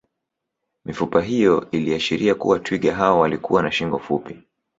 Mifupa hiyo iliashiria kuwa twiga hao walikuwa na shingo fupi